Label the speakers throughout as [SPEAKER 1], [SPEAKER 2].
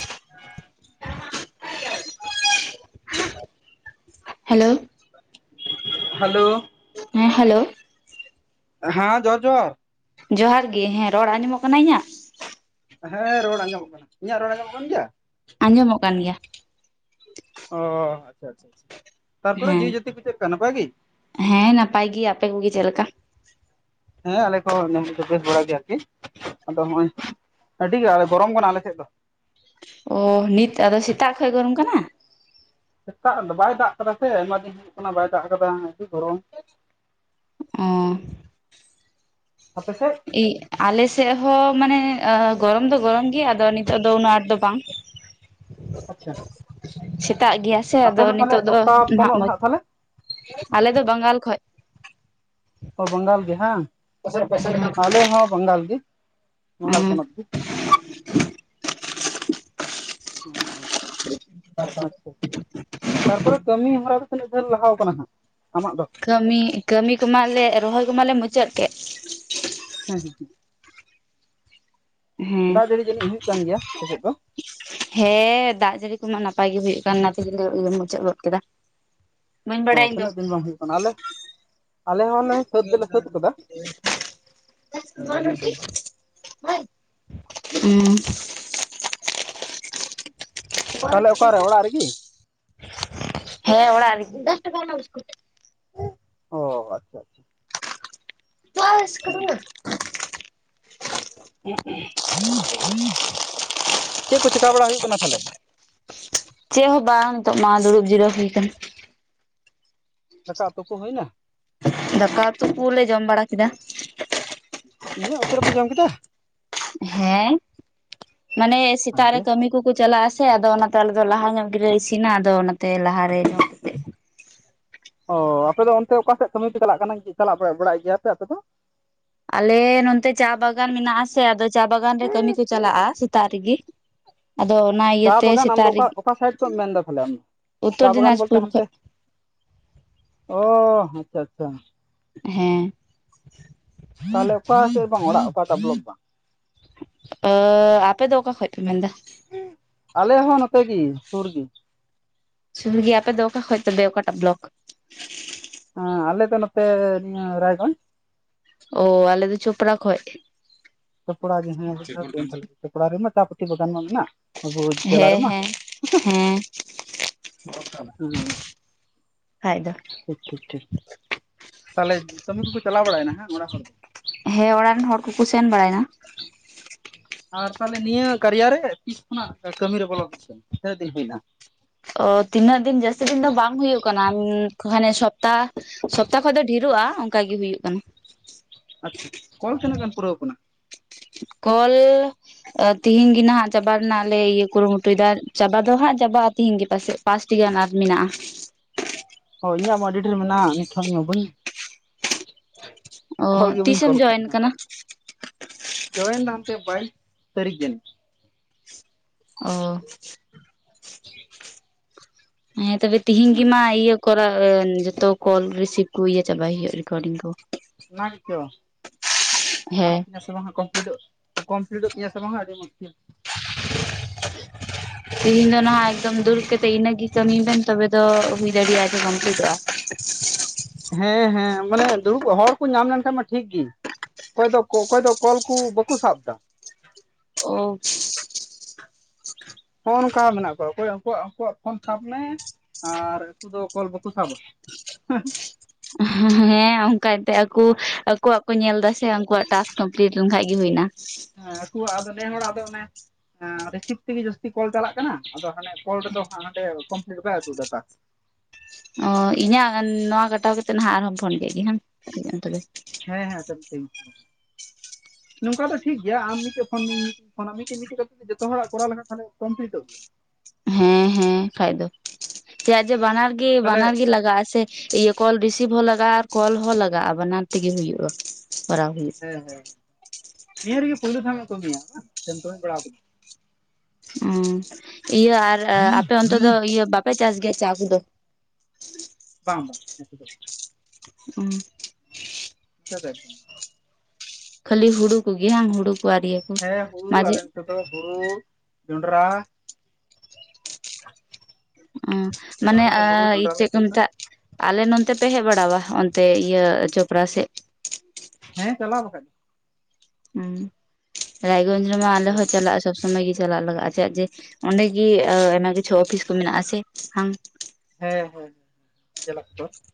[SPEAKER 1] [unintelligible]
[SPEAKER 2] Hello.
[SPEAKER 1] Hello.
[SPEAKER 2] ᱦᱮᱸ hello.
[SPEAKER 1] ᱦᱮᱸ ᱡᱚᱨ ᱡᱚᱦᱟᱨ
[SPEAKER 2] ᱡᱚᱦᱟᱨ ᱜᱮᱤ, ᱦᱮᱸ ᱨᱚᱲ ᱟᱸᱡᱚᱢᱚᱜ ᱠᱟᱱᱟ ᱤᱧᱟᱹᱜ?
[SPEAKER 1] ᱦᱮᱸ ᱨᱚᱲ ᱟᱸᱡᱚᱢᱚᱜ ᱠᱟᱱᱟ, ᱤᱧᱟᱹᱜ ᱨᱚᱲ ᱟᱸᱚᱢᱚᱜ ᱠᱟᱱ ᱜᱮᱭᱟ?
[SPEAKER 2] ᱟᱸᱡᱚᱢᱚᱜ ᱠᱟᱱ ᱜᱮᱭᱟ᱾
[SPEAKER 1] ᱚᱻ ᱟᱪᱪᱷᱟ ᱟᱪᱪᱷᱟ ᱟᱪᱪᱷᱟ ᱛᱟᱨᱯᱚᱨᱮ
[SPEAKER 2] ᱦᱮᱸ
[SPEAKER 1] ᱡᱤᱣᱤ ᱡᱟᱹᱛᱤ ᱠᱚ ᱪᱮᱫ ᱠᱟ ᱱᱟᱯᱟᱭ ᱜᱮ?
[SPEAKER 2] ᱦᱮᱸ ᱱᱟᱯᱟᱭ ᱜᱮ, ᱟᱯᱮ ᱠᱚᱜᱮ ᱪᱮᱫ ᱞᱮᱠᱟ?
[SPEAKER 1] ᱦᱮᱸ ᱟᱞᱮ ᱠᱚ [unintelligible] ᱵᱮᱥ ᱵᱟᱲᱟ ᱜᱮᱭᱟ ᱟᱹᱨᱠᱤ ᱟᱫᱚ ᱱᱚᱜ-ᱚᱭ ᱟᱹᱰᱤ ᱜᱮ ᱜᱚᱨᱚᱢ ᱠᱟᱱᱟ ᱟᱞᱮ ᱥᱮᱫ ᱫᱚ ᱾
[SPEAKER 2] ᱚᱻ ᱱᱤᱛ ᱟᱫᱚ ᱥᱮᱛᱟᱜ ᱠᱷᱚᱡ ᱜᱚᱨᱚᱢ ᱠᱟᱱᱟ?
[SPEAKER 1] ᱥᱮᱛᱟᱜ ᱟᱫᱚ ᱵᱟᱭ ᱫᱟᱜ ᱠᱟᱫᱟ ᱥᱮ, ᱟᱭᱢᱟ ᱫᱤᱱ ᱦᱩᱭᱩᱜ ᱠᱟᱱᱟ ᱵᱟᱭ ᱫᱟᱜ ᱠᱟᱫᱟ ᱟᱹᱰᱤ ᱜᱚᱨᱚᱢ ᱾
[SPEAKER 2] [inaudible]
[SPEAKER 1] ᱟᱯᱮ ᱥᱮᱫ
[SPEAKER 2] ᱟᱞᱮ ᱥᱮᱜ ᱦᱚᱸ ᱢᱟᱱᱮ ᱜᱚᱨᱚᱢ ᱫᱚ ᱜᱚᱨᱚᱢ ᱜᱮ ᱟᱫᱚ ᱱᱤᱛᱚᱜ ᱫᱚ ᱩᱱᱟᱹᱜ ᱟᱸᱴ ᱫᱚ ᱵᱟᱝ ᱾
[SPEAKER 1] ᱟᱪᱪᱷᱟ ᱾
[SPEAKER 2] ᱥᱮᱛᱟᱜ ᱜᱮᱭᱟ ᱥᱮ ᱟᱫᱚ ᱱᱤᱛᱚᱜ ᱫᱚ
[SPEAKER 1] ᱚᱠᱟ
[SPEAKER 2] ᱱᱟᱦᱟᱜ
[SPEAKER 1] ᱯᱚᱱᱚᱛ
[SPEAKER 2] ᱢᱚᱡᱽ,
[SPEAKER 1] ᱦᱟᱸᱜ ᱛᱟᱦᱚᱞᱮ
[SPEAKER 2] ᱟᱞᱮ ᱫᱚ ᱵᱟᱝᱜᱟᱞ ᱠᱷᱚᱡ ᱾
[SPEAKER 1] ᱚ ᱵᱟᱝᱜᱟᱞ ᱜᱮ ᱦᱟᱝ? ᱟᱞᱮ ᱦᱚᱸ ᱵᱟᱝᱜᱟᱞ ᱜᱮ ᱵᱟᱝᱜᱟᱞ ᱯᱚᱱᱚᱛ ᱜᱮ ᱾ [inaudible] ᱛᱟᱨᱯᱚᱨᱮ ᱠᱟᱹᱢᱤ ᱦᱚᱨᱟ ᱫᱚ ᱛᱤᱱᱟᱹᱜ ᱡᱷᱟᱹᱞ ᱞᱟᱦᱟᱣ ᱠᱟᱱᱟ ᱦᱟᱸᱜ ᱟᱢᱟᱜ ᱫᱚ?
[SPEAKER 2] ᱠᱟᱹᱢᱤ, ᱠᱟᱹᱢᱤ ᱠᱚᱢᱟᱞᱮ ᱨᱚᱦᱚᱭ ᱠᱚᱢᱟᱞᱮ ᱢᱩᱪᱟᱹᱫ ᱠᱮᱜ ᱾
[SPEAKER 1] [inaudible]
[SPEAKER 2] ᱦᱮᱸ
[SPEAKER 1] ᱫᱟᱜ ᱡᱟᱲᱤ ᱡᱟᱹᱱᱤᱡ ᱦᱩᱭᱩᱜ ᱠᱟᱱ ᱜᱮᱭᱟ ᱟᱯᱮ ᱥᱮᱫ ᱫᱚ?
[SPEAKER 2] ᱦᱮᱸ ᱫᱟᱜ ᱡᱟᱹᱲᱤ ᱠᱚᱢᱟ ᱱᱟᱯᱟᱭ ᱜᱮ ᱦᱩᱭᱩᱜ ᱠᱟᱱᱟ, ᱚᱱᱟ ᱛᱮᱜᱮ [inaudible] ᱢᱩᱪᱟᱹᱫ ᱜᱚᱫ ᱠᱮᱫᱟ ᱾
[SPEAKER 1] ᱚ ᱛᱤᱱᱟᱹᱜ ᱫᱤᱱ ᱵᱟᱝ ᱦᱩᱭᱩᱜ ᱠᱟᱱᱟ ᱟᱞᱮ ᱟᱞᱮ
[SPEAKER 2] [inaudible] [inaudible]
[SPEAKER 1] ᱦᱚᱸᱞᱮ ᱥᱟᱹᱛ ᱫᱚᱞᱮ ᱥᱟᱹᱛ ᱠᱟᱫᱟ
[SPEAKER 2] ᱦᱩᱸ ᱾
[SPEAKER 1] ᱛᱟᱦᱚᱞᱮ ᱚᱠᱟᱨᱮ ᱚᱲᱟᱜ ᱨᱮᱜᱮ
[SPEAKER 2] [inaudible] ᱦᱮᱸ ᱚᱲᱟᱜ ᱨᱮᱜᱮ ᱾
[SPEAKER 1] ᱚ ᱟᱪᱪᱷᱟ ᱟᱪᱪᱷᱟ ᱾
[SPEAKER 2] [unintelligible]
[SPEAKER 1] [inaudible] ᱪᱮᱫ ᱠᱚ ᱪᱮᱠᱟ ᱵᱟᱲᱟ ᱦᱩᱭᱩᱜ ᱠᱟᱱᱟ ᱛᱟᱦᱚᱞᱮ
[SPEAKER 2] [inaudible] ᱪᱮᱜ ᱦᱚᱸ ᱵᱟᱝ ᱛᱳᱜ ᱢᱟ ᱫᱩᱲᱩᱵ ᱡᱤᱨᱟᱹᱣ ᱦᱩᱭ ᱠᱟᱱᱟ ᱾
[SPEAKER 1] ᱫᱟᱠᱟ ᱟᱛᱳ ᱠᱚ ᱦᱩᱭᱱᱟ?
[SPEAKER 2] ᱫᱟᱠᱟ ᱩᱛᱩ ᱠᱩᱞᱮ ᱡᱚᱢ ᱵᱟᱲᱟ ᱠᱮᱫᱟ ᱾
[SPEAKER 1] ᱤᱱᱟᱹᱜ ᱩᱥᱟᱹᱨᱟ ᱯᱮ ᱡᱚᱢ ᱠᱮᱫᱟ?
[SPEAKER 2] ᱦᱮᱸ ᱢᱟᱱᱮ ᱥᱮᱛᱟᱜ ᱨᱮ ᱠᱟᱹᱢᱤ ᱠᱚ ᱠᱚ ᱪᱟᱞᱟᱜᱼᱟ ᱥᱮ, ᱟᱫᱚ ᱚᱱᱟᱛᱮ ᱟᱞᱮ ᱫᱚ ᱞᱟᱦᱟ ᱧᱚᱜ ᱜᱮᱞᱮ ᱤᱥᱤᱱᱟ ᱟᱫᱚ ᱚᱱᱟᱛᱮ ᱞᱟᱦᱟᱨ ᱨᱮ
[SPEAKER 1] ᱚᱻ ᱟᱯᱮ ᱫᱚ ᱚᱱᱛᱮ ᱚᱠᱟᱥᱮᱫ ᱠᱟᱹᱢᱤ ᱯᱮ ᱪᱟᱞᱟᱜ ᱠᱟᱱᱟ ᱴᱤᱡ ᱪᱟᱞᱟᱜ ᱵᱟᱲᱟᱭ ᱵᱟᱲᱟᱭ ᱜᱮᱭᱟ ᱯᱮ ᱟᱯᱮ ᱫᱚ?
[SPEAKER 2] ᱟᱞᱮ ᱱᱚᱱᱛᱮ ᱪᱟ ᱵᱟᱜᱟᱱ ᱢᱮᱱᱟᱜ ᱟᱥᱮ ᱟᱫᱚ ᱪᱟ ᱵᱟᱜᱟᱱ ᱨᱮ ᱠᱟᱹᱢᱤ ᱠᱚ ᱪᱟᱞᱟᱜᱼᱟ ᱥᱮᱛᱟᱜ ᱨᱮᱜᱤ ᱾
[SPEAKER 1] ᱪᱟ ᱵᱟᱜᱟᱱ ᱟᱢ ᱫᱚ ᱚᱠᱟ
[SPEAKER 2] ᱨᱮᱜᱮ
[SPEAKER 1] ᱚᱠᱟ ᱥᱟᱭᱤᱰ ᱠᱚᱢ ᱢᱮᱱᱫᱟ ᱛᱟᱦᱞᱮ ᱟᱢ?
[SPEAKER 2] ᱩᱛᱛᱚᱨ
[SPEAKER 1] ᱪᱟ ᱵᱟᱜᱟᱱ ᱵᱚᱞᱛᱮ
[SPEAKER 2] ᱫᱤᱱᱟᱡᱽᱯᱩᱨ
[SPEAKER 1] ᱦᱟᱱᱛᱮ,
[SPEAKER 2] ᱠᱷᱚᱡ
[SPEAKER 1] [inaudible] ᱚ ᱟᱪᱪᱷᱟ ᱟᱪᱪᱷᱟ ᱾
[SPEAKER 2] ᱦᱮᱸ᱾ [inaudible]
[SPEAKER 1] [inaudible] ᱛᱟᱞᱦᱮ ᱚᱠᱟ ᱥᱮ ᱵᱟᱝ ᱚᱲᱟᱜ ᱚᱠᱟ ᱴᱟᱜ ᱵᱚᱞᱚᱠ ᱵᱟᱝ?
[SPEAKER 2] [inaudible] ᱟᱯᱮ ᱫᱚ ᱚᱠᱟ ᱠᱷᱚᱡ ᱯᱮ ᱢᱮᱱ ᱫᱟ?
[SPEAKER 1] [inaudible] ᱟᱞᱮ ᱦᱚᱸ ᱱᱚᱛᱮ ᱜᱤ ᱥᱩᱨ ᱜᱤ ᱾
[SPEAKER 2] ᱥᱩᱨ ᱜᱮ ᱟᱯᱮ ᱫᱚ ᱚᱠᱟ ᱠᱷᱚᱡ ᱛᱚᱵᱮ ᱚᱠᱟ ᱴᱟᱜ ᱵᱞᱚᱠ?
[SPEAKER 1] ᱮᱸ ᱟᱞᱮ ᱫᱚ ᱱᱚᱛᱮ [inaudible] ᱨᱟᱭᱜᱚᱸᱡ ᱾
[SPEAKER 2] ᱚ ᱟᱞᱮ ᱫᱚ ᱪᱚᱯᱲᱟ ᱠᱷᱚᱡ ᱾
[SPEAKER 1] ᱪᱚᱯᱲᱟ ᱜᱮ ᱦᱮᱸ [unintelligible] ᱪᱚᱯᱲᱟ ᱨᱮ ᱢᱟ ᱪᱟ ᱯᱟᱹᱛᱤ ᱫᱚᱜᱟᱱ ᱢᱟ ᱢᱮᱱᱟᱜ ᱾
[SPEAKER 2] ᱦᱮᱸ ᱦᱮᱸ ᱦᱮᱸ ᱾ [inaudible]
[SPEAKER 1] ᱦᱩᱸ [inaudible] ᱴᱷᱤᱠ ᱴᱷᱤᱠ ᱾ ᱛᱟᱦᱞᱮ ᱠᱟᱹᱢᱤ ᱠᱚᱠᱚ ᱪᱟᱞᱟᱣ ᱵᱟᱲᱟᱭᱱᱟ ᱦᱟᱝ ᱚᱲᱟᱜ ᱦᱚᱲ?
[SPEAKER 2] ᱦᱮᱸ ᱚᱲᱟᱜ ᱨᱮᱱ ᱦᱚᱲ ᱠᱚᱠᱚ ᱥᱮᱱ ᱵᱟᱲᱟᱭᱱᱟ ᱾
[SPEAKER 1] ᱟᱨ ᱛᱟᱞᱦᱮ ᱱᱤᱭᱟᱹ ᱠᱟᱨᱤᱭᱟᱨ ᱨᱮ ᱛᱤᱥ ᱠᱷᱚᱱᱟᱜ ᱠᱟᱹᱢᱤ ᱨᱮ ᱵᱚᱞᱚ ᱦᱩᱭ ᱠᱟᱱᱟ? ᱛᱤᱱᱟᱹᱜ ᱫᱤᱱ ᱦᱩᱭᱱᱟ?
[SPEAKER 2] ᱚ ᱛᱤᱱᱟᱹᱜ ᱫᱤᱱ ᱡᱟᱹᱥᱛᱤ ᱫᱤᱱ ᱫᱚ ᱵᱟᱝ ᱦᱩᱭᱩᱜ ᱠᱟᱱᱟ, [inaudible] ᱦᱟᱱᱮ ᱥᱚᱯᱛᱟ ᱥᱚᱯ ᱚᱠᱟ ᱠᱷᱚᱡ ᱫᱚ ᱰᱷᱤᱨᱚᱜᱼᱟ ᱚᱝᱠᱟ ᱜᱮ ᱦᱩᱭᱩᱜ ᱠᱟᱱᱟ᱾
[SPEAKER 1] ᱟᱪᱪᱷᱟ ᱠᱚᱞ ᱛᱤᱱᱟᱹᱜ-ᱜᱟᱱ ᱯᱩᱨᱟᱹᱣ ᱠᱟᱱᱟ?
[SPEAKER 2] ᱠᱚᱞ ᱛᱤᱦᱮᱧ ᱜᱮ ᱱᱟᱦᱟᱜ ᱪᱟᱵᱟ ᱨᱮᱱᱟᱜ ᱞᱮ ᱤᱭᱟᱹ ᱠᱩᱨᱩᱢᱩᱴᱩᱭᱫᱟ ᱾ ᱪᱟᱵᱟ ᱫᱚ ᱦᱟᱸᱜ ᱪᱟᱵᱟᱜᱼᱟ ᱛᱤᱦᱤᱧ ᱜᱮ ᱯᱟᱥᱮᱡ ᱯᱟᱸᱥᱴᱤ ᱜᱟᱱ ᱟᱨ ᱢᱮᱱᱟᱜᱼᱟ ᱾
[SPEAKER 1] ᱦᱚᱸ ᱤᱧᱟᱜ ᱢᱟ ᱟᱰᱤ ᱰᱷᱮᱨ ᱢᱮᱱᱟᱜᱼᱟ, ᱱᱤᱛ ᱦᱚᱸ ᱤᱧ ᱢᱟ ᱵᱟᱹᱧ
[SPEAKER 2] ᱚ
[SPEAKER 1] ᱠᱚᱞ ᱜᱮ ᱵᱟᱹᱧ
[SPEAKER 2] ᱛᱤᱥᱮᱢ
[SPEAKER 1] ᱠᱚᱞ ᱠᱟᱜ
[SPEAKER 2] ᱡᱚᱭᱮᱱ
[SPEAKER 1] ᱢᱟ
[SPEAKER 2] ᱠᱟᱱᱟ?
[SPEAKER 1] ᱡᱚᱭᱮᱱ ᱫᱚ ᱦᱟᱯᱮ ᱵᱟᱭᱤᱥ ᱥᱟᱹᱨᱤᱠᱷ ᱡᱟᱱᱤᱡ
[SPEAKER 2] ᱚᱻ ᱦᱮᱸ ᱛᱚᱵᱮ ᱛᱤᱦᱤᱧ ᱜᱮ ᱢᱟ ᱤᱭᱟᱹ ᱠᱚᱨᱟᱣ ᱮᱱ ᱡᱚᱛᱚ ᱠᱚᱞ ᱨᱤᱥᱤᱵᱷ ᱠᱚ ᱤᱭᱟᱹ ᱪᱟᱵᱟᱭ ᱦᱳᱭᱳᱜᱼᱟ, ᱨᱮᱠᱚᱨᱰᱤᱝ ᱠᱚ᱾
[SPEAKER 1] ᱚᱱᱟ ᱜᱮᱪᱚ ᱜᱟᱱᱚᱜ
[SPEAKER 2] ᱦᱮᱸ
[SPEAKER 1] ᱛᱤᱧᱟ ᱥᱮ ᱵᱟᱝ ᱠᱚᱢ ᱞᱤᱰᱳᱜ ᱠᱚᱢᱯᱤᱞᱤᱴᱚᱜ ᱛᱤᱧᱟ ᱥᱮ ᱵᱟᱝ ᱦᱟᱸᱜ ᱟᱰᱤ ᱢᱩᱥᱠᱤᱞ
[SPEAKER 2] [unintelligible] ᱛᱤᱦᱤᱧ ᱫᱚ ᱱᱟᱦᱟᱜ ᱮᱠᱫᱚᱢ ᱫᱩᱲᱩᱵ ᱠᱟᱛᱮᱜ ᱤᱱᱟᱹ ᱜᱮ ᱠᱟᱹᱢᱤ ᱵᱮᱱ ᱛᱚᱵᱮ ᱫᱚ ᱦᱩᱭ ᱫᱟᱲᱮᱭᱟᱜᱼᱟ ᱡᱮ ᱠᱚᱢᱯᱞᱤᱴᱚᱜᱼᱟ᱾
[SPEAKER 1] ᱦᱮᱸ ᱦᱮᱸ, ᱢᱟᱱᱮ ᱫᱩᱲᱩᱵ ᱦᱟᱲ ᱠᱚ ᱧᱟᱢ ᱞᱮᱱᱠᱷᱟᱱᱡ ᱢᱟ ᱴᱷᱤᱠᱜᱤ᱾ ᱚᱠᱚᱭ ᱫᱚ ᱚᱠᱚᱭ ᱫᱚ ᱠᱚᱞ ᱠᱩ ᱵᱟᱠᱩ ᱥᱟᱵᱫᱟ᱾
[SPEAKER 2] [unintelligible]
[SPEAKER 1] ᱦᱚᱸᱜ-ᱱᱚᱝᱠᱟ ᱢᱮᱱᱟᱜ ᱠᱚᱣᱟ ᱚᱠᱚᱭ ᱚᱠᱚᱣᱟᱜ ᱟᱠᱩᱣᱟᱜ ᱯᱷᱳᱱ ᱥᱟᱵ ᱢᱮ ᱟᱨ ᱩᱱᱠᱩ ᱫᱚ ᱠᱚᱞ ᱵᱟᱠᱚ ᱥᱟᱵᱟ?
[SPEAKER 2] ᱦᱮᱸ ᱚᱝᱠᱟᱭᱮᱫ ᱛᱟᱦᱮᱜ ᱟᱠᱩ ᱟᱠᱚᱣᱟᱜ ᱠᱚ ᱧᱮᱞ ᱫᱟ ᱥᱮ ᱟᱠᱩᱣᱟᱜ ᱴᱟᱠᱥ ᱾ ᱠᱚᱢᱯᱞᱤᱴ ᱞᱮᱱ ᱠᱷᱟᱡ ᱜᱮ ᱦᱩᱭᱱᱟ ᱾
[SPEAKER 1] ᱦᱮᱸ, ᱟᱠᱚᱣᱟᱜ ᱟᱫᱚ ᱱᱮ ᱦᱚᱲᱟᱜ ᱟᱫᱚ ᱨᱤᱥᱤᱯ ᱛᱤᱜᱤ ᱡᱟᱹᱥᱛᱤ ᱠᱚᱞ ᱪᱟᱞᱟᱜ ᱠᱟᱱᱟ᱾ ᱟᱫᱚ ᱦᱟᱱᱮ ᱠᱚᱞ ᱨᱮ ᱫᱚ ᱦᱟᱸᱜ ᱦᱟᱱᱰᱮ ᱠᱚᱢᱯᱞᱤᱴ ᱵᱟᱭ ᱩᱫᱩᱜ ᱫᱟ ᱴᱟᱠᱥ,
[SPEAKER 2] ᱚᱻ ᱤᱧᱟᱹᱜ ᱱᱚᱣᱟ ᱠᱟᱴᱟᱣ ᱠᱟᱛᱮᱫ ᱱᱟᱦᱟᱜ ᱟᱨᱦᱚᱸᱢ ᱯᱷᱳᱱ ᱠᱮᱜ ᱜᱮ [inaudible] ᱛᱚᱵᱮ᱾
[SPEAKER 1] ᱦᱮᱸ ᱦᱮᱸ ᱥᱚᱵ ᱫᱤᱱ ᱾
[SPEAKER 2] [unintelligible]
[SPEAKER 1] ᱱᱚᱝᱠᱟ ᱫᱚ ᱴᱷᱤᱠ ᱜᱮᱭᱟ ᱟᱢ ᱢᱤᱫᱴᱮᱡ ᱯᱷᱳᱱ ᱢᱤᱫ ᱯᱷᱳᱱᱟᱢ ᱢᱤᱫᱴᱤᱡ ᱢᱤᱫᱴᱤᱡ ᱠᱟᱛᱮ ᱜᱮ ᱡᱚᱛᱚ ᱦᱚᱲᱟᱜ ᱠᱚᱨᱟᱣ ᱞᱮᱠᱷᱟᱱ ᱛᱟᱞᱦᱮ ᱠᱚᱢᱯᱞᱤᱴᱚᱜ ᱜᱮᱭᱟ ᱾
[SPEAKER 2] ᱦᱮᱸ ᱦᱮᱸ, ᱠᱷᱟᱡ ᱫᱚ ᱪᱮᱫᱟᱜ ᱡᱮ ᱵᱟᱱᱟᱨ ᱜᱤ
[SPEAKER 1] ᱛᱟᱦᱚᱞᱮ
[SPEAKER 2] ᱵᱟᱱᱟᱨ ᱜᱤ ᱞᱟᱜᱟᱜ-ᱟ ᱥᱮ? ᱤᱭᱟᱹ ᱠᱚᱞ ᱨᱤᱥᱤᱵᱷ ᱦᱚᱸ ᱞᱟᱜᱟᱜᱼᱟ ᱟᱨ ᱠᱚᱞ ᱦᱚᱸ ᱞᱟᱜᱟᱜᱼᱟ ᱵᱟᱱᱟᱨ ᱛᱮ ᱜᱮ ᱦᱩᱭᱩᱜᱼᱟ ᱠᱚᱨᱟᱣ ᱦᱩᱭᱩᱜᱼᱟ ᱾
[SPEAKER 1] ᱦᱮᱸ ᱦᱮᱸ ᱱᱤᱭᱟᱹ ᱨᱮ ᱜᱮ ᱯᱩᱭᱞᱩ ᱫᱷᱟᱣ ᱮ ᱠᱟᱹᱢᱤᱭᱟ ᱥᱮᱢ ᱠᱟᱹᱢᱤ ᱵᱟᱲᱟᱣ ᱟᱠᱟᱫᱟ?
[SPEAKER 2] ᱦᱩᱸ ᱤᱭᱟᱹ ᱟᱨ ᱟᱯᱮ ᱚᱱᱛᱮ ᱫᱚ ᱤᱭᱟᱹ ᱵᱟᱯᱮ ᱪᱟᱥ ᱜᱮᱭᱟ ᱪᱟᱥ ᱪᱟ ᱠᱚ ᱫᱚ?
[SPEAKER 1] ᱵᱟᱝ ᱵᱟᱝ ᱚᱛᱮ ᱫᱚ ᱾
[SPEAKER 2] [unintelligible]
[SPEAKER 1] [inaudible]
[SPEAKER 2] ᱠᱷᱟᱹᱞᱤ ᱦᱩᱲᱩ ᱠᱩ ᱜᱤ ᱦᱟᱝ ᱦᱩᱲᱩ ᱠᱩ ᱟᱨ ᱤᱭᱟᱹ ᱠᱚ
[SPEAKER 1] ᱦᱮᱸ ᱦᱩᱲᱩ
[SPEAKER 2] ᱢᱟᱡᱷᱮ
[SPEAKER 1] ᱟᱞᱮ ᱱᱚᱛᱮ ᱫᱚ ᱦᱩᱲᱩ ᱡᱚᱱᱰᱨᱟ᱾ ᱟᱞᱮ
[SPEAKER 2] ᱢᱟᱱᱮ
[SPEAKER 1] ᱱᱚᱛᱮ ᱫᱚ ᱦᱩᱲᱩ ᱡᱚᱱᱰᱨᱟ
[SPEAKER 2] [unintelligible]
[SPEAKER 1] ᱞᱮ
[SPEAKER 2] ᱪᱮᱫ ᱠᱚ
[SPEAKER 1] ᱪᱟᱥᱟ
[SPEAKER 2] ᱢᱮᱛᱟᱜ᱾ ᱟᱞᱮ ᱱᱚᱱᱛᱮ ᱯᱮ ᱦᱮᱡ ᱵᱟᱲᱟᱣᱟ ᱚᱱᱛᱮ ᱤᱭᱟᱹ ᱪᱚᱯᱨᱟ ᱥᱮᱫ?
[SPEAKER 1] ᱦᱮᱸ ᱪᱟᱞᱟᱣ ᱵᱟᱠᱷᱟᱡ ᱾
[SPEAKER 2] ᱦᱩᱸ, ᱨᱟᱭᱜᱚᱡᱽ ᱨᱮᱢᱟ ᱟᱞᱮ
[SPEAKER 1] ᱪᱟᱞᱟᱣ
[SPEAKER 2] ᱦᱚᱸ ᱪᱟᱞᱟᱜ ᱟᱥ ᱥᱚᱵᱽ ᱥᱚᱢᱚᱭ ᱜᱮ ᱪᱟᱞᱟᱜ ᱞᱟᱜᱟᱜ ᱪᱮᱫᱟᱜ ᱡᱮ ᱚᱸᱰᱮᱜᱤ ᱟᱭᱢᱟ ᱠᱤᱪᱷᱩ ᱚᱯᱷᱤᱥ ᱠᱚ ᱢᱮᱱᱟᱜ ᱟᱥᱮ ᱵᱟᱝ?
[SPEAKER 1] ᱦᱮᱸ ᱦᱮᱸ, [inaudible]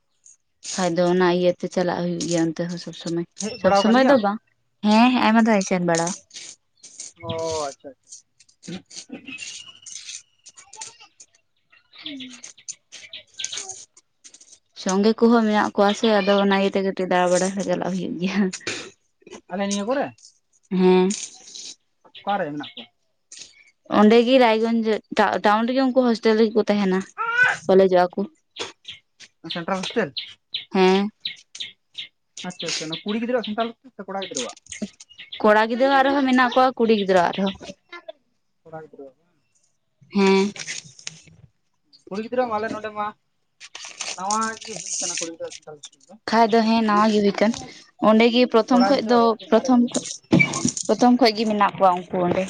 [SPEAKER 2] ᱠᱷᱟᱡ ᱫᱚ ᱚᱱᱟ ᱤᱭᱟᱹᱛᱮ ᱪᱟᱞᱟᱜ ᱦᱩᱭᱩᱜ ᱜᱮᱭᱟ ᱚᱱᱛᱮ ᱦᱚᱸ ᱥᱚᱵᱽ ᱥᱚᱢᱚᱭ
[SPEAKER 1] ᱦᱮᱡ
[SPEAKER 2] ᱥᱚᱵᱽ
[SPEAKER 1] ᱵᱟᱲᱟᱣ ᱟᱠᱟᱱ
[SPEAKER 2] ᱥᱚᱢᱚᱭ ᱫᱚ
[SPEAKER 1] ᱜᱮᱭᱟᱢ
[SPEAKER 2] ᱵᱟᱝ ᱾ ᱦᱮᱸ ᱦᱮᱸ ᱟᱭᱢᱟ ᱫᱷᱟᱣ ᱮᱧ ᱥᱮᱱ ᱵᱟᱲᱟ
[SPEAKER 1] ᱚᱻ ᱟᱪᱪᱷᱟ ᱟᱪᱪᱷᱟ, [unintelligible]
[SPEAKER 2] ᱥᱚᱝᱜᱮ ᱠᱚᱦᱚᱸ ᱢᱮᱱᱟᱜ ᱠᱚᱣᱟ ᱥᱮ ᱟᱫᱚ ᱚᱱᱟ ᱤᱭᱟᱹᱛᱮ ᱠᱟᱹᱴᱤᱡ ᱫᱟᱬᱟ ᱵᱟᱲᱟᱟᱭ ᱪᱟᱞᱟᱜ ᱦᱩᱭᱩᱜ ᱜᱮᱭᱟ,
[SPEAKER 1] ᱟᱞᱮ ᱱᱤᱭᱟᱹ ᱠᱚᱨᱮ,
[SPEAKER 2] ᱦᱮᱸ
[SPEAKER 1] ᱚᱠᱟᱨᱮ ᱢᱮᱱᱟᱜ ᱠᱚᱣᱟ?
[SPEAKER 2] ᱚᱸᱰᱮᱜᱤ ᱨᱮᱜᱮ ᱩᱱᱠᱩ ᱦᱚᱥᱴᱮᱞ ᱨᱮᱜᱮᱠᱚ ᱛᱟᱦᱮᱱᱟ ᱠᱚᱞᱮᱡᱚᱜᱼᱟ ᱠᱚ,
[SPEAKER 1] ᱥᱮᱱᱴᱟᱨᱮᱞ ᱦᱥᱴᱮᱞ᱾
[SPEAKER 2] ᱦᱮᱸ
[SPEAKER 1] ᱟᱪᱷᱟ ᱟᱪᱷᱟ ᱚᱱᱟ ᱠᱩᱲᱤ ᱜᱤᱫᱽᱨᱣᱟ ᱥᱮᱱᱴᱟᱨᱮᱞ ᱥᱮ ᱠᱚᱲᱟ ᱜᱤᱫᱽᱤᱣᱟ?
[SPEAKER 2] ᱠᱚᱲᱟ ᱜᱤᱫᱽᱨᱟᱹ ᱟᱨᱦᱚᱸ ᱢᱮᱱᱟᱜ ᱠᱚᱣᱟ ᱠᱩᱲᱤ ᱜᱤᱫᱽᱨᱟᱹ ᱟᱨᱦᱚᱸ,
[SPEAKER 1] ᱠᱚᱲᱟ ᱜᱤᱫᱽᱨᱟ ᱟᱜ ᱨᱮ,
[SPEAKER 2] ᱦᱮᱸ᱾
[SPEAKER 1] ᱠᱩᱲᱤ ᱜᱤᱫᱽᱨᱟᱹ ᱢᱟ ᱟᱞᱮ ᱱᱚᱰᱮ ᱢᱟ ᱱᱟᱣᱟ ᱜᱮ ᱦᱩᱭ ᱠᱟᱱᱟ ᱠᱩᱲᱤ ᱜᱤᱫᱽᱨᱟᱹ, [unintelligible]
[SPEAKER 2] ᱠᱷᱟᱱ ᱫᱚ ᱦᱮᱸ ᱱᱟᱣᱟ ᱜᱮ ᱦᱩᱭᱠ ᱚᱸᱰᱮᱜᱮ ᱯᱨᱚᱛᱷᱚᱢ
[SPEAKER 1] ᱠᱚᱲᱟ
[SPEAKER 2] ᱠᱷᱚᱡ ᱫᱚ
[SPEAKER 1] ᱜᱤᱫᱽᱨᱟᱹᱣᱟᱜ ᱟᱹᱰᱤ ᱢᱟᱨᱮ
[SPEAKER 2] ᱯᱨᱚᱛᱷᱚᱢ,
[SPEAKER 1] ᱜᱮᱭᱟ
[SPEAKER 2] ᱯᱨᱚᱛᱷᱚᱢ ᱠᱷᱚᱡ ᱜᱮᱤ ᱢᱮᱱᱟᱜ ᱠᱚᱣᱟ ᱩᱱᱠᱩ ᱚᱸᱰᱮ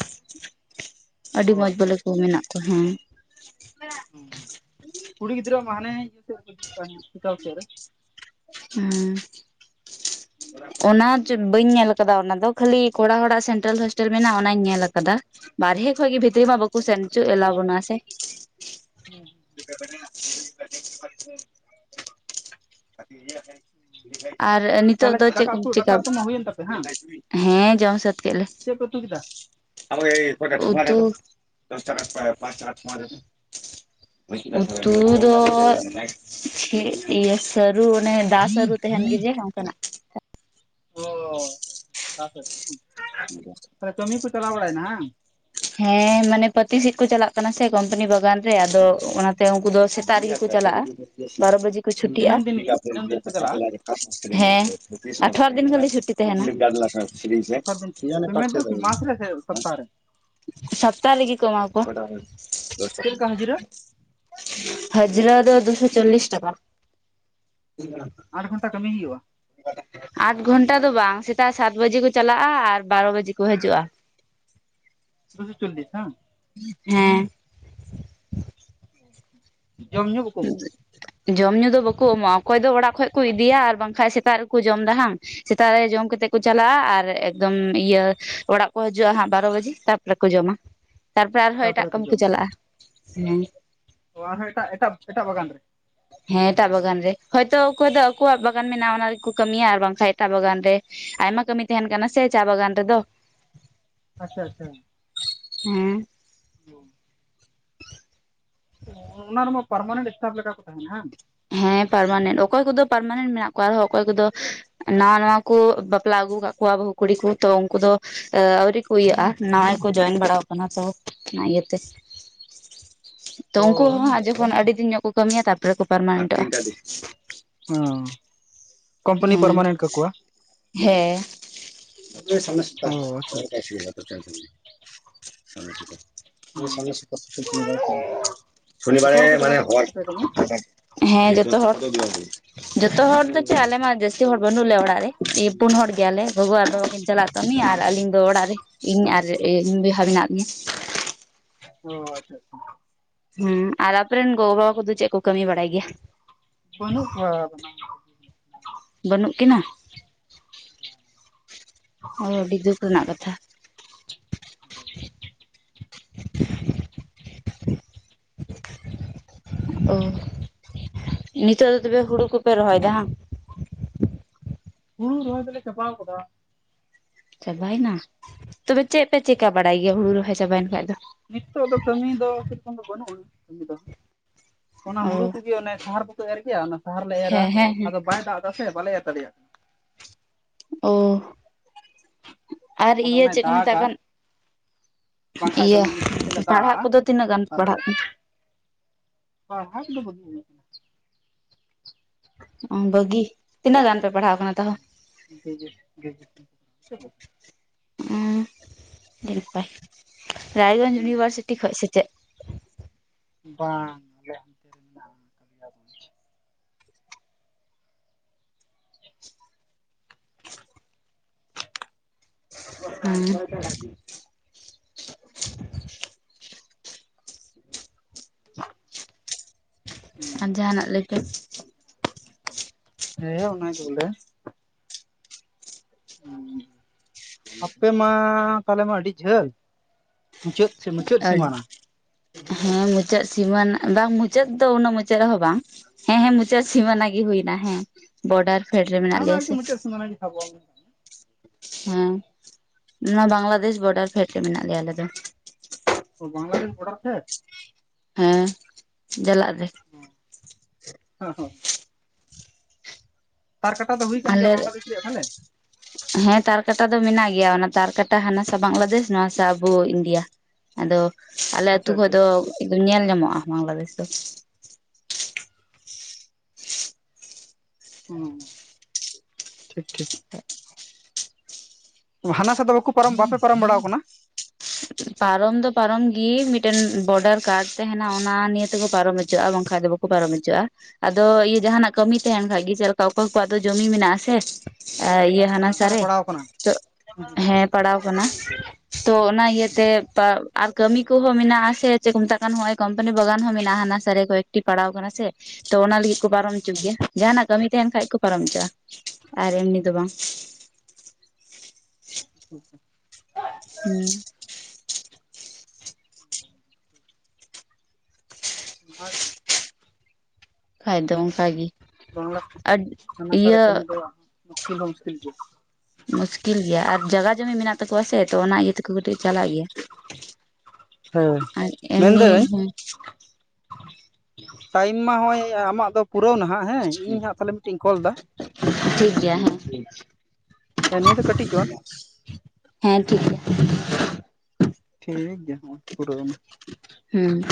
[SPEAKER 1] ᱚ
[SPEAKER 2] ᱟᱹᱰᱤ ᱢᱚᱸᱡᱽ
[SPEAKER 1] ᱟᱪᱪᱷᱟ
[SPEAKER 2] ᱵᱚᱞᱮ ᱠᱚ
[SPEAKER 1] ᱟᱪᱪᱷᱟ
[SPEAKER 2] ᱢᱮᱱᱟᱜ ᱠᱚᱣᱟ ᱦᱮᱸ,
[SPEAKER 1] ᱦ ᱠᱩᱲᱤ ᱜᱤᱫᱽᱨᱟ ᱢᱟ ᱦᱟᱱᱮ ᱤᱭᱟᱹ ᱥᱮ ᱨᱮ ᱡᱩᱛ ᱠᱟᱜ ᱦᱚᱥᱯᱤᱴᱟᱞ ᱥᱮ ᱨᱮ,
[SPEAKER 2] ᱦᱮᱸ᱾ ᱚᱱᱟ ᱵᱟᱹᱧ ᱧᱮᱞ ᱟᱠᱟᱫᱟ ᱚᱱᱟᱫᱚ ᱠᱷᱟᱞᱤ ᱠᱚᱲᱟ ᱦᱚᱲᱟᱜ ᱥᱮᱱᱴᱨᱟᱞ ᱦᱚᱳᱥᱴᱮᱞ ᱢᱮᱱᱟᱜᱼᱟ ᱚᱱᱟᱧ ᱧᱮᱞ ᱟᱠᱟᱫᱟ᱾ ᱵᱟᱨᱦᱮ ᱠᱷᱡ ᱜᱮᱤ ᱵᱷᱤᱛᱨᱤ ᱢᱟ ᱵᱩᱠ ᱥᱮᱱ ᱪᱚᱹᱟ ᱮᱞᱟᱣ ᱵᱚᱱᱩ ᱥᱮ᱾ [unintelligible] ᱟᱨ ᱱᱤᱛᱚᱜ
[SPEAKER 1] ᱛᱟᱦᱚᱞᱮ
[SPEAKER 2] ᱫᱚ ᱪᱮᱫ
[SPEAKER 1] ᱫᱟᱠᱟ
[SPEAKER 2] ᱠᱚ
[SPEAKER 1] ᱩᱛᱩ ᱫᱟᱠᱟ
[SPEAKER 2] ᱪᱮᱠᱟᱯ
[SPEAKER 1] ᱩᱛᱩ ᱢᱟ ᱦᱩᱭᱮᱱ ᱛᱟᱯᱮ ᱵᱟᱝ
[SPEAKER 2] ᱦᱮᱸ ᱡᱚᱢ ᱥᱟᱹᱛ ᱠᱮᱫ ᱞᱮ,
[SPEAKER 1] ᱪᱮᱫ ᱯᱮ ᱩᱛᱩ ᱠᱮᱫᱟ
[SPEAKER 2] ᱩᱛᱩ ᱩᱛᱩ ᱫᱚ ᱢᱤᱫ ᱤᱭᱟᱹ᱾ ᱨᱩ ᱚᱱᱮ ᱫᱟ ᱥᱨᱩ ᱛᱟᱦᱮᱱ ᱜᱮ ᱡᱮ ᱚᱱᱠᱟᱱᱟᱜ᱾
[SPEAKER 1] ᱚ ᱛᱟᱦᱚᱞᱮ ᱠᱟᱹᱢᱤ ᱠᱚ ᱪᱟᱞᱟᱣ ᱵᱟᱲᱟᱭᱱᱟ ᱦᱟᱝ᱾
[SPEAKER 2] ᱦᱮᱸ ᱢᱟᱱᱮ ᱯᱟᱛᱤ ᱥᱮᱫ ᱠᱚ ᱪᱟᱞᱟᱜ ᱠᱟᱱᱟ ᱥᱮ ᱠᱚᱢᱯᱟᱱᱤ ᱵᱟᱜᱟᱱ ᱨᱮ ᱟᱫᱚ ᱚᱱᱟᱛᱮ ᱩᱱᱠᱩ ᱫᱚ ᱥᱮᱛᱟᱜ ᱨᱮᱜᱮ ᱠᱚ ᱪᱟᱞᱟᱜᱼᱟ᱾ ᱵᱟᱨᱚ ᱵᱟᱡᱮ ᱠᱚ ᱪᱷᱩᱴᱤᱜᱼᱟ
[SPEAKER 1] ᱫᱤᱱᱟᱹᱢ ᱫᱤᱱ ᱜᱮ ᱫᱤᱱᱟᱹᱢ ᱫᱤᱱ ᱠᱚ ᱪᱟᱞᱟᱜᱼᱟ
[SPEAKER 2] ᱦᱮᱸ ᱟᱴᱷᱟᱨ ᱫᱤᱱ ᱠᱷᱟᱹᱞᱤ ᱪᱷᱩ ᱪᱷᱩᱴᱤ
[SPEAKER 1] ᱦᱮᱸ
[SPEAKER 2] ᱛᱟᱦᱮᱱᱟ᱾
[SPEAKER 1] ᱟᱴᱷᱟᱨᱚ ᱫᱤᱱ ᱪᱷᱩᱴᱤ ᱯᱮᱢᱮᱱᱴ ᱫᱚ ᱢᱟᱥ ᱨᱮ ᱥᱮ ᱥᱚᱯᱛᱟᱦᱚ ᱨᱮ
[SPEAKER 2] ᱥᱟᱛᱴᱟ ᱨᱮᱜᱮ ᱠᱚ ᱮᱢᱟ ᱟᱠᱚᱣᱟ᱾
[SPEAKER 1] ᱪᱮᱫ ᱞᱮᱠᱟ ᱦᱟᱹᱡᱨᱤ
[SPEAKER 2] ᱦᱟᱡᱽᱨᱟ ᱫᱚ ᱫᱩᱥᱚ ᱪᱚᱞᱤᱥ ᱴᱟᱠᱟ᱾
[SPEAKER 1] ᱵᱟᱨ ᱜᱷᱚᱱᱴᱟ ᱠᱟᱹᱢᱤ ᱦᱩᱭᱩᱜᱼᱟ?
[SPEAKER 2] ᱟᱴ ᱜᱷᱚᱱᱴᱟ ᱫᱚ ᱵᱟᱝ ᱥᱮᱛᱟᱜ ᱥᱟᱛ ᱵᱟᱡᱮ ᱠᱚ ᱪᱟᱞᱟᱜᱼᱟ ᱟᱨ ᱵᱟᱨᱚ ᱵᱟᱡᱮ ᱠᱚ ᱦᱤᱡᱩᱜᱼᱟ᱾
[SPEAKER 1] ᱫᱩᱥᱚ ᱪᱩᱞᱤᱥ ᱵᱟᱝ᱾
[SPEAKER 2] ᱦᱮᱸ᱾
[SPEAKER 1] ᱡᱚᱢ ᱧᱩ ᱵᱟᱠᱚᱢ
[SPEAKER 2] ᱡᱚᱢ ᱧᱩ ᱫᱚ ᱵᱟᱠᱚ ᱮᱢᱚᱜᱼᱟ ᱚᱠᱚᱭ ᱫᱚ ᱚᱲᱟᱜ ᱠᱷᱚᱱᱚᱡ ᱠᱚ ᱤᱫᱤᱭᱟ ᱟᱨ ᱵᱟᱝᱠᱷᱟᱱ ᱥᱮᱛᱟᱜ ᱨᱮᱠᱚ ᱡᱚᱢ ᱫᱟ ᱦᱟᱝ᱾ ᱥᱮᱛᱟᱜ ᱨᱮ ᱡᱚᱢ ᱠᱟᱛᱮᱜ ᱠᱚ ᱪᱟᱞᱟᱜᱼᱟ ᱟᱨ ᱮᱠᱫᱚᱢ ᱤᱭᱟᱹ ᱚᱲᱟᱜ ᱠᱚ ᱦᱤᱡᱩᱜᱼᱟ ᱦᱜ ᱵᱟᱨᱚ ᱵᱟᱡᱮ ᱛᱟᱯᱚᱨᱮ ᱠᱚ ᱡᱚᱢᱟ᱾ ᱛᱟᱨᱯᱚᱨᱮ ᱟᱨᱦᱚᱸ ᱮᱴᱟᱜ
[SPEAKER 1] ᱛᱟᱯᱚᱨᱮ ᱛᱚ
[SPEAKER 2] ᱠᱟᱹᱢᱤ ᱠᱚ ᱪᱟᱞᱟᱜᱼᱟ ᱦᱮᱸ,
[SPEAKER 1] ᱚᱦᱚᱸ ᱮᱴᱟᱜ ᱮᱴᱟᱜ ᱮᱴᱟᱜ ᱵᱟᱜᱟᱱ ᱨᱮ?
[SPEAKER 2] ᱦᱮᱸ ᱮᱴᱟᱜ ᱵᱟᱜᱟᱱ ᱨᱮ ᱦᱚᱳᱭᱛᱳ ᱚᱠᱚᱭ ᱫᱚ ᱟᱠᱚᱣᱟᱜ ᱵᱟᱜᱟᱱ ᱢᱮᱱᱟᱜᱼᱟ ᱚᱱᱟ ᱨᱮᱠᱚ ᱠᱟᱹᱢᱤᱭᱟ ᱟᱨ ᱵᱟᱝᱠᱷᱟᱱ ᱮᱴᱟᱜ ᱵᱟᱜᱟᱱ ᱨᱮ᱾ ᱟᱭᱢᱟ ᱠᱟᱹᱢᱤ ᱛᱟᱦᱮᱱ ᱠᱟᱱᱟ ᱥᱮ ᱪᱟ ᱵᱟᱜᱟᱱ ᱨᱮᱫᱚ᱾
[SPEAKER 1] ᱟᱪᱷᱟ ᱟᱪᱷᱟ᱾
[SPEAKER 2] ᱦᱩ᱾
[SPEAKER 1] ᱦᱩᱸ᱾ ᱚᱱᱟ ᱨᱮᱢᱟ ᱯᱟᱨᱢᱟᱱᱮᱱᱴ ᱥᱴᱟᱯ ᱞᱮᱠᱟ ᱠᱚ ᱛᱟᱦᱮᱱᱟ ᱦᱮᱸ?
[SPEAKER 2] ᱦᱮᱸ ᱯᱟᱨᱢᱟᱱᱮᱱᱴ ᱚᱠᱚᱭ ᱠᱚᱫᱚ ᱯᱟᱨᱢᱟᱱᱮᱱᱴ ᱢᱮᱱᱟᱜ ᱠᱚᱣᱟ ᱟᱨᱦᱚᱸ ᱚᱠᱚᱭ ᱠᱚᱫᱚ ᱱᱟᱶᱟ ᱱᱟᱶᱟᱠᱩ ᱵᱟᱯᱞᱟ ᱟᱹᱜᱩ ᱟᱠᱟᱫ ᱠᱚᱣᱟ ᱵᱟᱹᱦᱩ ᱠᱩᱲᱤ ᱠᱚ ᱛᱚ ᱩᱱᱠᱩ ᱫᱚ ᱟᱹᱣᱨᱤ ᱦᱩᱭᱩᱜᱟᱹᱜᱼᱟ ᱱᱟᱣᱟᱭ ᱠᱚ ᱡᱚᱭᱮᱱ ᱵᱟᱲᱟᱟᱣ ᱠᱟᱱᱟ ᱛᱚ ᱚᱱᱟ ᱤᱭᱟᱹᱛᱮ ᱛᱚ
[SPEAKER 1] ᱚ
[SPEAKER 2] ᱩᱱᱠᱩ ᱦᱚᱸ
[SPEAKER 1] ᱟᱪᱪᱷᱟ
[SPEAKER 2] ᱦᱟᱜ
[SPEAKER 1] ᱟᱪᱪᱷᱟ
[SPEAKER 2] ᱡᱚᱠᱷᱚᱱ ᱟᱹᱰᱤ ᱫᱤᱱ ᱧᱚᱜ ᱠᱚ ᱠᱟᱹᱢᱤᱭᱟ ᱛᱟᱨᱯᱚᱨᱮ ᱠᱚ ᱯᱟᱨᱢᱟᱱᱮᱱᱴᱚᱜᱼᱟ᱾
[SPEAKER 1] ᱚ
[SPEAKER 2] ᱦᱮᱸ ᱦᱮᱸ [inaudible] [unintelligible] [unintelligible]
[SPEAKER 1] ᱚ ᱟᱪᱪᱷᱟ ᱟᱪᱪᱷᱟ ᱦᱮᱸ ᱡᱚᱛᱚ ᱦᱚᱲ ᱠᱚ ᱪᱟᱞᱟᱣ ᱪᱟᱵᱟᱜ ᱠᱟᱱ ᱛᱟᱯᱮᱭᱟ ᱠᱟᱹᱢᱤ
[SPEAKER 2] ᱦᱮᱸ ᱡᱚᱛᱚᱚᱲ ᱡᱚᱛᱚ ᱦᱚᱲ ᱫᱚ ᱟᱞᱮᱢᱟ ᱡᱟᱹᱥᱛᱤ ᱦᱚᱲ ᱵᱟᱹᱱᱩᱜ ᱟ ᱞᱮ ᱚᱲᱟᱜ ᱨᱮ ᱯᱩᱱ ᱦᱚᱲ ᱜᱮᱭᱟᱞᱮ ᱜᱚᱜᱚ ᱦᱚᱲ ᱫᱚ ᱵᱟᱠᱤᱱ ᱪᱟᱞᱟᱜ ᱠᱟᱹᱢᱤ ᱟᱨ ᱟᱹᱞᱤᱧ ᱫᱚ ᱚᱲᱟᱜ ᱨᱮ᱾ ᱤᱧ ᱟᱨ ᱤᱧ ᱵᱚᱭᱦᱟ ᱢᱮᱱᱟᱜ ᱞᱤᱧᱟᱹ᱾
[SPEAKER 1] ᱚ ᱟᱪᱪᱷᱟ ᱟᱪᱪᱷᱟ᱾
[SPEAKER 2] ᱦᱮᱸ ᱟᱨ ᱟᱯᱚᱨ ᱨᱮᱱ ᱜᱚᱜᱚ ᱵᱟᱵᱟ ᱠᱚᱫᱚ ᱪᱮᱫ ᱠᱚ ᱠᱟᱹᱢᱤ ᱵᱟᱲᱟᱭ ᱜᱮᱭᱟ?
[SPEAKER 1] ᱵᱚᱱᱩᱜ ᱠᱚᱣᱟ ᱾
[SPEAKER 2] ᱵᱟᱹᱱᱩᱜ ᱠᱤᱱᱟ? ᱚ ᱟᱹᱰᱤ ᱫᱩᱠ ᱨᱮᱱᱟᱜ ᱠᱟᱛᱷᱟ᱾
[SPEAKER 1] [unintelligible]
[SPEAKER 2] ᱚ ᱱᱤᱛᱚᱜ ᱫᱚ ᱛᱚᱵᱮ ᱦᱩᱲᱩ ᱠᱚᱯᱮ ᱨᱚᱦᱚᱭ ᱮᱫᱟ ᱦᱟᱝ?
[SPEAKER 1] ᱦᱩᱲᱩ ᱨᱚᱦᱚᱭ ᱫᱚᱞᱮ ᱪᱟᱯᱟᱣ ᱟᱠᱟᱫᱟ᱾
[SPEAKER 2] ᱪᱟᱵᱟᱭᱮᱱᱟ? ᱛᱚᱵᱮ ᱪᱮᱫ ᱯᱮ ᱪᱮᱠᱟ ᱵᱟᱲᱟᱭ ᱜᱮᱭᱟ ᱦᱩᱲᱩ ᱨᱚᱦᱚᱭ ᱪᱟᱵᱟᱭᱮᱱ ᱠᱷᱟᱡ ᱫᱚ?
[SPEAKER 1] ᱱᱤᱛᱚᱜ ᱫᱚ ᱠᱟᱹᱢᱤ ᱫᱚ ᱪᱮᱫᱠᱷᱚᱢ ᱫᱚ ᱵᱟᱹᱱᱩᱜᱼᱟ ᱠᱟᱹᱢᱤ ᱫᱚ ᱚᱱᱟ
[SPEAKER 2] ᱚ
[SPEAKER 1] ᱦᱩᱲᱩ ᱠᱚᱜᱮ ᱚᱱᱮ ᱥᱟᱦᱟᱨ ᱫᱚ ᱮᱨ ᱜᱮᱭᱟ ᱚᱱᱟ ᱥᱟᱦᱟᱨ ᱞᱮ ᱮᱨᱟ
[SPEAKER 2] ᱦᱮᱸ ᱦᱮᱸ ᱦᱮᱸ
[SPEAKER 1] ᱟᱫᱚ ᱵᱟᱭ ᱫᱟᱜ ᱮᱫᱟ ᱥᱮ ᱵᱟᱞᱮ ᱮᱨ ᱫᱟᱲᱮᱭᱟᱜᱼᱟ᱾
[SPEAKER 2] ᱚ ᱟᱨ
[SPEAKER 1] ᱟᱫᱚ
[SPEAKER 2] ᱤᱭᱟᱹ
[SPEAKER 1] ᱚᱱᱟᱭ
[SPEAKER 2] ᱪᱮᱫ ᱠᱚ ᱢᱮᱛᱟᱜ ᱠᱟᱱ?
[SPEAKER 1] ᱵᱟᱝᱠᱟᱱᱡ ᱫᱚ
[SPEAKER 2] ᱤᱭᱟᱹ
[SPEAKER 1] ᱚᱱᱮ ᱢᱮᱥᱤᱱ ᱛᱮᱞᱮ ᱫᱟᱜ
[SPEAKER 2] ᱯᱟᱲᱦᱟᱜ
[SPEAKER 1] ᱟᱜᱼᱟ
[SPEAKER 2] ᱠᱚᱫᱚ ᱛᱤᱱᱟᱹᱜ ᱜᱟᱱ ᱯᱮ ᱯᱟᱲᱦᱟᱜ
[SPEAKER 1] ᱛᱟᱨᱯᱚᱨᱮ ᱯᱟᱲᱦᱟᱹᱣ ᱠᱚᱫᱚ ᱵᱟᱹᱜᱤ ᱦᱩᱭ ᱠᱟᱱᱟ᱾
[SPEAKER 2] ᱵᱷᱟᱹᱜᱤ? ᱛᱤᱱᱟᱹᱜ ᱜᱟᱱ ᱯᱮ ᱯᱟᱲᱦᱟᱹᱣ ᱟᱠᱟᱱᱟ ᱛᱟᱦᱚᱞᱮ?
[SPEAKER 1] ᱜᱨᱮᱡᱩ ᱜᱨᱮᱡᱩᱭᱮᱥᱚᱱ᱾
[SPEAKER 2] ᱮᱸ ᱟᱹᱰᱤ ᱱᱟᱯᱟᱭ ᱨᱟᱭᱜᱚᱸᱡᱽ ᱤᱭᱩᱱᱤᱵᱷᱟᱨᱥᱤᱴᱤ ᱠᱷᱚᱱ ᱥᱮ ᱪᱮᱫ?
[SPEAKER 1] ᱵᱟᱝ᱾ ᱟᱞᱮ ᱦᱟᱱᱛᱮ ᱨᱮ ᱢᱮᱱᱟᱜᱼᱟ ᱠᱟᱞᱤᱭᱟᱜᱚᱸᱡᱽ
[SPEAKER 2] ᱟᱨ
[SPEAKER 1] [unintelligible]
[SPEAKER 2] ᱟᱨ ᱡᱟᱦᱟᱱᱟᱜ ᱞᱟᱹᱭ ᱯᱮ?
[SPEAKER 1] ᱦᱮᱸ ᱚᱱᱟᱜᱮ ᱵᱚᱞᱮ᱾ ᱟᱯᱮ ᱢᱟ ᱛᱟᱦᱚᱞᱮ ᱢᱟ ᱟᱹᱰᱤ ᱡᱷᱟᱹᱞ ᱢᱩᱪᱟᱹᱫ ᱢᱩᱪᱟᱹᱫ ᱥᱤᱢᱟᱱᱟ᱾
[SPEAKER 2] ᱦᱮᱸ ᱢᱩᱪᱟᱹᱫ ᱥᱤᱢᱟᱱᱟ ᱵᱟᱝ ᱢᱩᱪᱟᱹᱫ ᱫᱚ ᱩᱱᱟᱹᱜ ᱢᱩᱪᱟᱹᱫ ᱨᱮᱦᱚᱸ ᱵᱟᱝ? ᱦᱮᱸ ᱦᱮᱸ ᱢᱩᱚᱪᱟᱹᱫ ᱥᱤᱢᱟᱟᱱᱟ ᱜᱮ ᱦᱩᱭᱮᱱᱟ ᱦᱮᱸ ᱵᱚᱰᱟᱨ ᱯᱷᱮᱰ ᱨᱮ ᱢᱮᱱᱟᱜ
[SPEAKER 1] ᱟᱢ
[SPEAKER 2] ᱞᱮᱭᱟ ᱥᱮ᱾
[SPEAKER 1] [inaudible]
[SPEAKER 2] ᱦᱮᱸ ᱱᱚᱣᱟ ᱵᱟᱝᱠᱟᱫᱥ ᱵᱚᱨᱰᱟᱨ ᱯᱷᱮᱰ ᱨᱮ ᱢᱮᱱᱟᱜ ᱞᱮᱭᱟ ᱟᱞᱮ ᱫᱚ᱾
[SPEAKER 1] ᱚ ᱵᱟᱝᱞᱟᱫᱮᱥ ᱰᱟᱨᱰᱟᱨ ᱯᱷᱮᱰ?
[SPEAKER 2] ᱦᱮ ᱡᱟᱞᱟᱜ ᱨᱮ᱾
[SPEAKER 1] ᱚᱦᱚ ᱾ ᱛᱟᱨ ᱠᱟᱴᱟ ᱫᱚ ᱦᱩᱭ ᱠᱟᱱ ᱜᱮᱭᱟ
[SPEAKER 2] ᱟᱞᱮ
[SPEAKER 1] ᱵᱟᱝᱞᱟᱫᱮᱥ ᱨᱮᱭᱟᱜ ᱛᱟᱦᱚᱞᱮ
[SPEAKER 2] ᱦᱮᱸ ᱛᱟᱨᱠᱟᱴᱟ ᱫᱚ ᱢᱮᱱᱟᱜ ᱜᱮᱭᱟ ᱚᱱᱟ ᱛᱟᱨᱠᱟᱴᱟ ᱦᱟᱱᱟᱥᱟ ᱵᱟᱝᱞᱟᱫᱮᱥ ᱱᱚᱣᱟᱥᱟ ᱟᱵᱚ ᱤᱱᱰᱤᱭᱟ᱾ ᱟᱫᱚ ᱟᱞᱮ ᱟᱹᱛᱩ
[SPEAKER 1] ᱟᱪᱪᱷᱟ
[SPEAKER 2] ᱠᱷᱚᱱ
[SPEAKER 1] ᱟᱪᱪᱷᱟ
[SPEAKER 2] ᱫᱚ ᱮᱠᱫᱚᱢ ᱧᱮᱞ ᱧᱟᱢᱚᱜᱼᱟ ᱵᱟᱝᱞᱟᱫᱮᱥ ᱫᱚ᱾
[SPEAKER 1] ᱦᱩ ᱸ ᱦᱩᱸ ᱴᱷᱤᱠ ᱴᱷᱤᱠ ᱾
[SPEAKER 2] [unintelligible]
[SPEAKER 1] ᱦᱟᱱᱟ ᱥᱟ ᱫᱚ ᱵᱟᱠᱚ ᱯᱟᱨᱚᱢ ᱵᱟᱯᱮ ᱯᱟᱨᱚᱢ ᱵᱟᱲᱟ ᱟᱠᱟᱱᱟ?
[SPEAKER 2] ᱯᱟᱨᱚᱢ ᱫᱚ ᱯᱟᱨᱚᱢᱜᱤ ᱢᱤᱫᱴᱮᱱ ᱵᱚᱰᱟᱨ ᱠᱟᱨᱰ ᱛᱟᱦᱮᱱᱟ ᱚᱱᱟ ᱱᱤᱭᱟᱹ ᱛᱮᱠᱚ ᱯᱟᱨᱚᱢ ᱦᱚᱪᱚᱜᱼᱟ ᱵᱟᱝᱠᱟᱱ ᱫᱚ ᱵᱟᱠ ᱠᱚ ᱯᱟᱨᱚᱢ ᱦᱚᱪᱚᱜᱼᱟ᱾ ᱟᱫᱚ ᱤᱭᱟᱹ ᱡᱟᱦᱱᱟᱜ ᱠᱟᱹᱢᱤ ᱛᱟᱦᱮᱱ ᱠᱷᱟᱡ ᱜᱮ ᱪᱮᱫ ᱞᱮᱠᱟ ᱚᱠᱚᱭ ᱠᱚᱣᱟᱜ ᱫᱚ ᱢᱮᱱᱟᱜ-ᱟ ᱥᱮ᱾ ᱟ ᱤᱭᱟᱹ ᱦᱟᱱᱟ
[SPEAKER 1] ᱥᱟ ᱨᱮ
[SPEAKER 2] ᱥᱟᱨᱮ
[SPEAKER 1] ᱯᱟᱲᱟᱣ ᱠᱟᱱᱟ
[SPEAKER 2] ᱛᱚ ᱦᱮᱸ ᱯᱟᱲᱟᱣ ᱠᱟᱱᱟ ᱛᱚ ᱚᱱᱟ ᱤᱭᱟᱹᱛᱮ ᱟᱨ ᱠᱟᱹᱢᱤ ᱠᱚᱦᱚᱸ ᱢᱮᱱᱟᱜᱼᱟ ᱥᱮ, ᱪᱮᱫ ᱠᱚ ᱢᱮᱛᱟᱜ ᱠᱟᱱᱟ ᱦᱚᱸᱜ-ᱚᱭ ᱠᱢᱯᱟᱱᱤ ᱵᱟᱜᱟᱱ ᱦᱚᱸ ᱢᱮᱱᱟᱜᱼᱟ ᱦᱟᱱᱟ ᱥᱟᱨᱮ ᱠᱚᱭᱮᱠᱴᱤ ᱯᱟᱲᱟᱣ ᱠᱟᱱᱟ ᱥᱮ᱾ ᱛᱚ ᱚᱱᱟ ᱞᱟᱹᱜᱤᱫ ᱠᱚ ᱯᱟᱨᱚᱢ ᱦᱚᱪᱚᱜ ᱜᱮᱭᱟ ᱡᱟᱦᱟᱱᱟᱜ ᱠᱟᱹᱢᱤ ᱛᱟᱦᱮᱸᱱ ᱠᱷᱟᱡ ᱠᱚ ᱯᱟᱨᱚᱢ ᱦᱚᱪᱚ-ᱟ᱾ ᱟᱨ ᱮᱢᱱᱤ ᱫᱚ ᱵᱟᱝ᱾
[SPEAKER 1] [unintelligible]
[SPEAKER 2] ᱦᱩᱸ᱾
[SPEAKER 1] [unintelligible]
[SPEAKER 2] ᱠᱷᱟᱡ ᱫᱚ ᱚᱝᱠᱟ ᱜᱤ᱾
[SPEAKER 1] ᱵᱟᱝᱞᱟ ᱦᱟᱱᱟ ᱥᱟᱨᱮ ᱠᱟᱹᱢᱤ ᱫᱚ ᱢᱩᱥᱠᱤᱞ ᱦᱚᱸ ᱢᱩᱥᱠᱤᱞ ᱜᱮᱭᱟ᱾
[SPEAKER 2] ᱢᱩᱥᱠᱤᱞ ᱜᱮᱭᱟ ᱟᱨ ᱡᱟᱭᱜᱟ ᱡᱚᱢᱤ ᱢᱮᱱᱟᱜ ᱛᱟᱠᱚᱣᱟ ᱥᱮ ᱛᱚ ᱚᱱᱟ ᱤᱭᱟᱹ ᱛᱮᱠᱚ ᱠᱟᱹᱴᱤᱡ ᱪᱟᱞᱟᱜ ᱜᱮᱭᱟ᱾
[SPEAKER 1] ᱦᱮᱸ
[SPEAKER 2] ᱟᱡ ᱮᱢᱱᱤ
[SPEAKER 1] ᱢᱮᱱᱫᱟᱹᱧ
[SPEAKER 2] ᱦᱩᱸ᱾
[SPEAKER 1] ᱴᱟᱭᱤᱢ ᱢᱟ ᱦᱚᱸᱜ-ᱚᱭ ᱟᱢᱟᱜ ᱫᱚ ᱯᱩᱨᱟᱹᱣ ᱱᱟ ᱦᱟᱸᱜ᱾ ᱦᱮᱸ ᱤᱧ ᱦᱟᱸᱜ ᱛᱟᱞᱦᱮ ᱢᱤᱫᱴᱤᱤᱧ ᱠᱚᱞᱫᱟ᱾
[SPEAKER 2] ᱴᱷᱤᱠ ᱜᱮᱭᱟ ᱦᱮᱸ
[SPEAKER 1] ᱦᱮᱸ ᱱᱤᱭᱟᱹ ᱫᱚ ᱠᱟᱹᱴᱤ ᱪᱚᱣᱟᱱ᱾
[SPEAKER 2] ᱦᱮᱸ ᱴᱷᱤᱠ ᱜᱮᱭᱟ᱾
[SPEAKER 1] ᱴᱷᱤᱠ ᱜᱮᱭᱟ ᱦᱚᱸᱜ-ᱚᱭ ᱯᱩᱨᱟᱹᱣ ᱮᱱᱟ᱾
[SPEAKER 2] ᱦᱩᱸ᱾